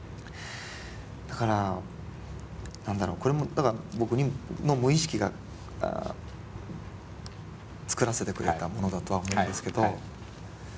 だから何だろうこれもだから僕の無意識が作らせてくれたものだとは思うんですけど。